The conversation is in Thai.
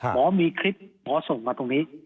หมอมีคลิปหมอส่งมาตรงนี้